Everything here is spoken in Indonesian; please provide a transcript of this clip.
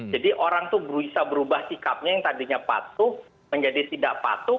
orang itu berusaha berubah sikapnya yang tadinya patuh menjadi tidak patuh